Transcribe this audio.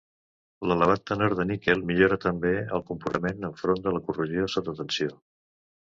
L'elevat tenor de níquel millora també el comportament enfront de la corrosió sota tensió.